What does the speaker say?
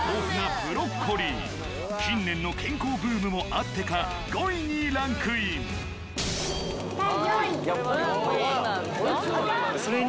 ブロッコリー近年の健康ブームもあってか５位にランクインそれに。